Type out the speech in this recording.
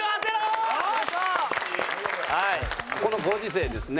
このご時世ですね